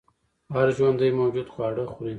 هر ژوندی موجود خواړه خوري